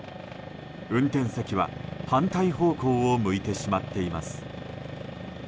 運転席は反対方向を向いてしまっています。